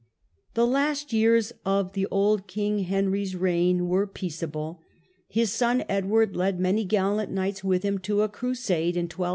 The last years of the old King Henry's reign were DEATH OF HENRY III. ^^ peaceable. His son Edward led many gallant knights with him to a Crusade in 1270.